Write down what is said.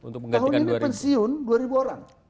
tahun ini pensiun dua ribu orang